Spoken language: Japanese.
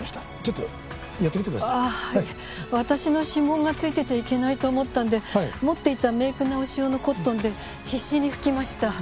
私の指紋が付いてちゃいけないと思ったんで持っていたメイク直し用のコットンで必死に拭きました。